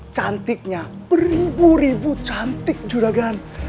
cantiknya beribu ribu cantik juragan